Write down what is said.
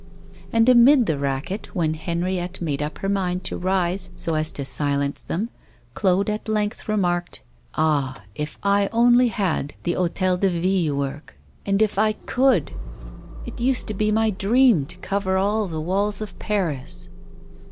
And amid the racket, when Henriette made up her mind to rise so as to silence them, Claude at length remarked: 'Ah! if I only had the Hôtel de Ville work, and if I could! It used to be my dream to cover all the walls of Paris!